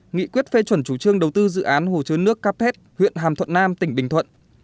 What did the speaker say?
nghị quyết phê chuẩn chủ trương đầu tư dự án hồ chứa nước capet huyện hàm thuận nam tỉnh bình thuận